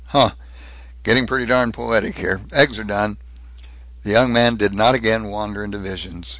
Huh! Getting pretty darn poetic here! Eggs are done." The young man did not again wander into visions.